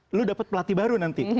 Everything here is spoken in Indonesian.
lalu dapat pelatih baru nanti